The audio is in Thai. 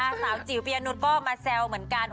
สาวจิ๋วปียะนุษย์ก็มาแซวเหมือนกัน